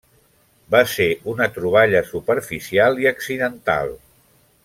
Va ser una troballa superficial i accidental.